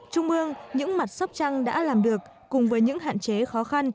trung mương những mặt sóc trăng đã làm được cùng với những hạn chế khó khăn